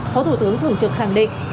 phó thủ tướng thường trực khẳng định